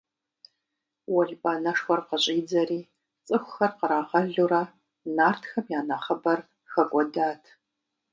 Уэлбанэшхуэм къыщӀидзэри, цӀыхухэр кърагъэлурэ нартхэм я нэхъыбэр хэкӀуэдат.